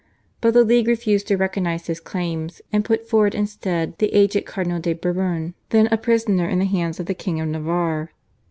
but the League refused to recognise his claims and put forward instead the aged Cardinal de Bourbon, then a prisoner in the hands of the King of Navarre.